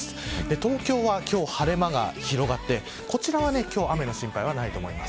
東京は今日、晴れ間が広がってこちらは今日、雨の心配はないと思います。